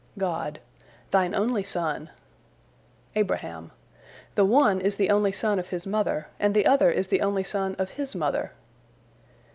God: "Thine only son." Abraham: "The one is the only son of his mother, and the other is the only son of his mother."